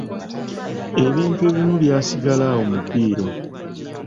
Ebintu ebimu byasigala awo mu ddiiro.